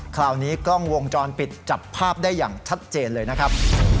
คราวนี้กล้องวงจรปิดจับภาพได้อย่างชัดเจนเลยนะครับ